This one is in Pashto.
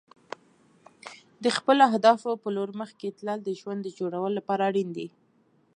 د خپلو اهدافو په لور مخکې تلل د ژوند د جوړولو لپاره اړین دي.